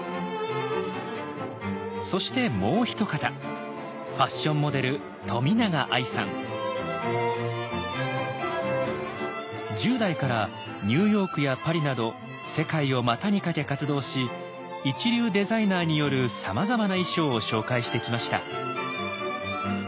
そしてもう一方１０代からニューヨークやパリなど世界を股にかけ活動し一流デザイナーによるさまざまな衣装を紹介してきました。